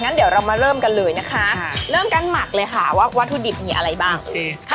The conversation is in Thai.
เดี๋ยวเรามาเริ่มกันเลยนะคะเริ่มการหมักเลยค่ะว่าวัตถุดิบมีอะไรบ้างโอเคค่ะ